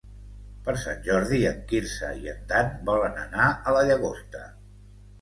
Per Sant Jordi en Quirze i en Dan volen anar a la Llagosta.